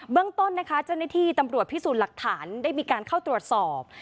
เรื่องต้นนะคะเจ้าหน้าที่ตำรวจพิสูจน์หลักฐานได้มีการเข้าตรวจสอบ